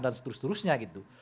dan seterusnya gitu